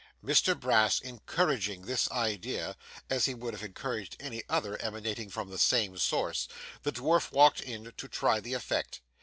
Mr Brass encouraging this idea, as he would have encouraged any other emanating from the same source, the dwarf walked in to try the effect.